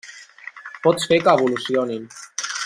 Pots fer que evolucionin.